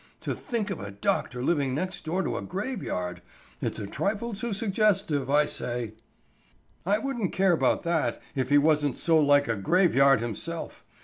To think of a doctor living next door to a graveyard. It's a trifle too suggestive, I say." "I wouldn't care about that if he wasn't so like a graveyard himself.